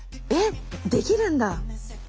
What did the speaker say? えっできるんだ。